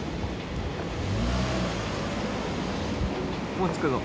もう着くぞ。